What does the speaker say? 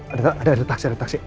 ada taksi ada taksi